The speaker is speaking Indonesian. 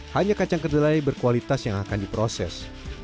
hanya kacang kedelai berkualitas yang akan diproses